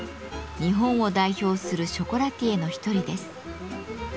日本を代表するショコラティエの一人です。